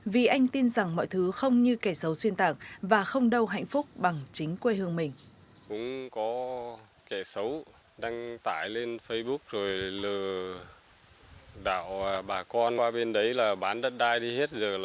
vì anh tin rằng mọi thứ không như kẻ xấu xuyên tạc và không đâu hạnh phúc bằng chính quê hương mình